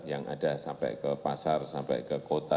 yang ada sampai ke pasar sampai ke kota